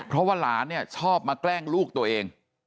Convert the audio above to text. เพราะว่าหลานเนี่ยชอบมาแกล้งลูกตัวเอง